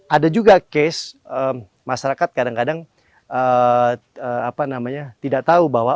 ada juga case masyarakat kadang kadang tidak tahu bahwa